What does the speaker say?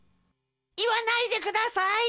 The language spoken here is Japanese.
いわないでください。